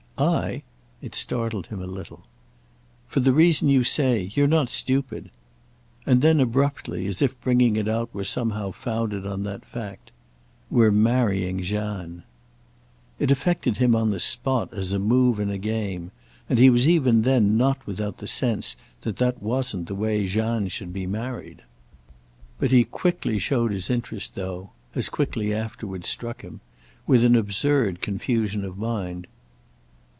"I?"—it startled him a little. "For the reason you say. You're not stupid." And then abruptly, as if bringing it out were somehow founded on that fact: "We're marrying Jeanne." It affected him on the spot as a move in a game, and he was even then not without the sense that that wasn't the way Jeanne should be married. But he quickly showed his interest, though—as quickly afterwards struck him—with an absurd confusion of mind.